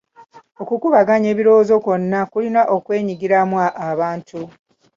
Okukubaganya ebirowoozo kwonna kulina okwenyigiramu abantu.